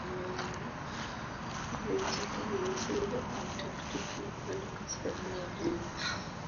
Kinyume chake ni mzingo antaktiki upande wa kaskazini ya Dunia.